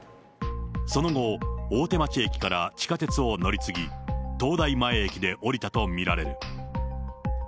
その後、大手町駅から地下鉄を乗り継ぎ、東大前駅で降りたと見られる。